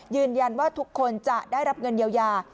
ยืนยันว่าทุกคนจะได้รับเงินเยียวยา